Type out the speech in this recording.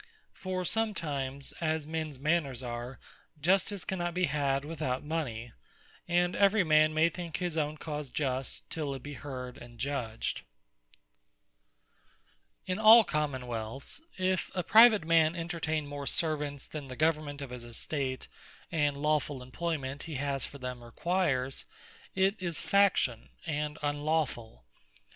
For sometimes, (as mens manners are,) Justice cannot be had without mony; and every man may think his own cause just, till it be heard, and judged. Feuds Of Private Families In all Common wealths, if a private man entertain more servants, than the government of his estate, and lawfull employment he has for them requires, it is Faction, and unlawfull.